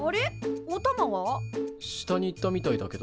下に行ったみたいだけど。